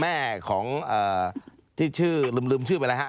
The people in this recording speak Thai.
แม่ของที่ชื่อลืมชื่อไปแล้วฮะ